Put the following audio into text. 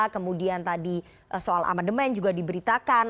kemudian tadi soal amendement juga diberitakan